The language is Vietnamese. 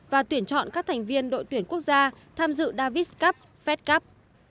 và tuyển chọn các thành viên đội tuyển quốc gia tham dự davis cup fest cup